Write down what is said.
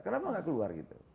kenapa enggak keluar